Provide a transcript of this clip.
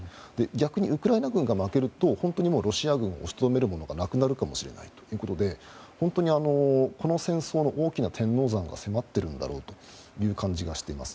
逆に、ウクライナ軍が負けるとロシア軍を止めるものがなくなるかもしれないということでこの戦争の大きな天王山が迫っているんだろうという感じがしています。